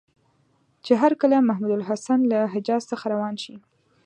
چې هرکله محمودالحسن له حجاز څخه روان شي.